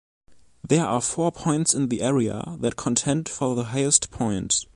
There are four points in the area that contend for the highest point.